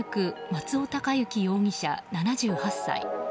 松尾孝之容疑者、７８歳。